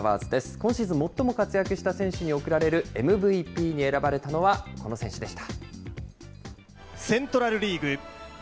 今シーズン最も活躍した選手に贈られるＭＶＰに選ばれたのはこの選手でした。